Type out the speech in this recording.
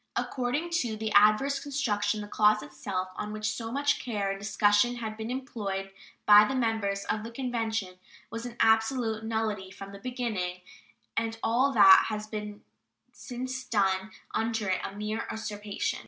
According to the adverse construction, the clause itself, on which so much care and discussion had been employed by the members of the Convention, was an absolute nullity from the beginning, and all that has since been done under it a mere usurpation.